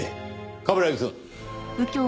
冠城くん！